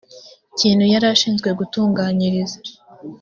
kintu yari ashinzwe gutunganyiriza